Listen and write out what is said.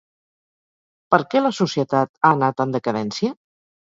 Per què la societat ha anat en decadència?